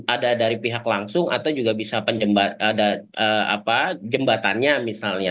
ada dari pihak langsung atau juga bisa ada jembatannya misalnya